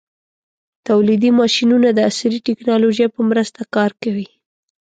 تولیدي ماشینونه د عصري ټېکنالوژۍ په مرسته کار کوي.